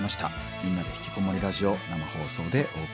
「みんなでひきこもりラジオ」生放送でお送りしています。